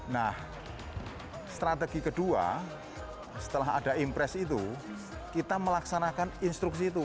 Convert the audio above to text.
nah strategi kedua setelah ada impres itu kita melaksanakan instruksi itu